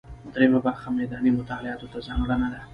درېیمه برخه میداني مطالعاتو ته ځانګړې ده.